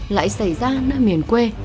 lại xảy ra nơi miền quê